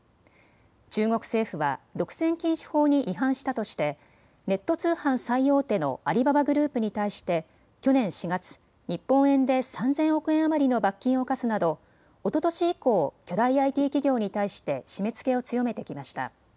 中国政府は独占禁止法に違反したとしてネット通販最大手のアリババグループに対して去年４月、日本円で３０００億円余りの罰金を科すなどおととし以降、巨大ＩＴ企業に対して締めつけを強めてきました。